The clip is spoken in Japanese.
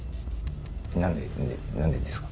何で何でですか？